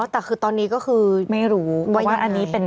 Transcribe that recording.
แต่คือตอนนี้ก็คือไม่รู้ว่าอันนี้เป็น